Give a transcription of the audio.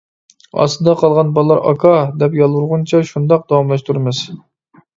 ئاستىدا قالغان بالىلار «ئاكا» دەپ يالۋۇرغۇچە شۇنداق داۋاملاشتۇرىمىز.